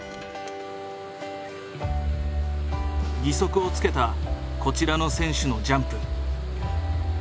義足をつけたこちらの選手のジャンプ。